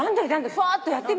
ふわっとやってみよう。